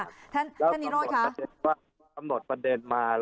ก็กำหนดประเด็นมา